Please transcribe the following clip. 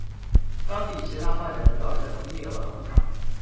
当地其它发展主要是农业和农场。